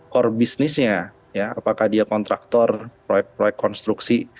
core bisnisnya apakah dia kontraktor proyek proyek konstruksi